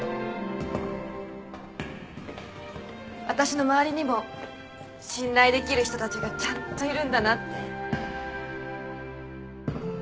私の周りにも信頼できる人たちがちゃんといるんだなって。